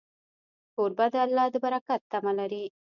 کوربه د الله د برکت تمه لري.